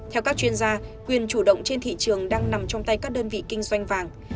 theo các chuyên gia quyền chủ động trên thị trường đang nằm trong tay các đơn vị kinh doanh vàng